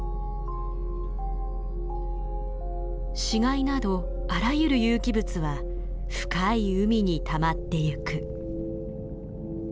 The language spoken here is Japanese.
死骸などあらゆる有機物は深い海にたまっていく。